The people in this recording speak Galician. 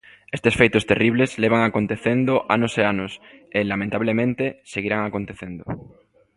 Estes feitos terribles levan acontecendo anos e anos e, lamentablemente, seguirán acontecendo.